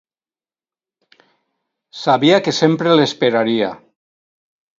Sabia que sempre l'esperaria...